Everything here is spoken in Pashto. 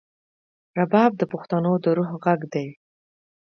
رباب د پښتنو د روح غږ دی.